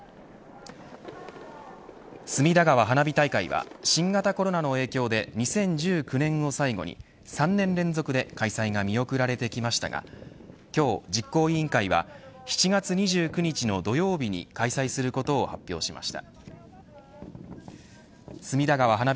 隅田川花火大会は、新型コロナの影響で２０１９年を最後に３年連続で開催が見送られてきましたが今日実行委員会は４月２９日の土曜日に開催することを発表しました。